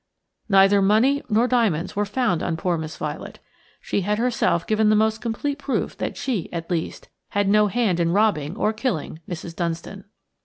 Neither money nor diamonds were found on poor Miss Violet. She had herself given the most complete proof that she, at least, had no hand in robbing or killing Mrs. Dunstan.